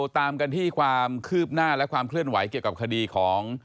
ตามกันที่ความคืบหน้าและความเคลื่อนไหวเกี่ยวกับคดีของ